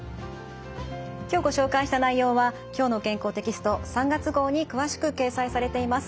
今日ご紹介した内容は「きょうの健康」テキスト３月号に詳しく掲載されています。